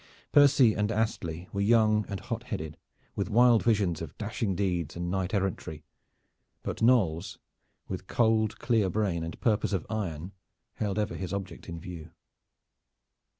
Percy and Astley were young and hot headed with wild visions of dashing deeds and knight errantry, but Knolles with cold, clear brain and purpose of iron held ever his object in view.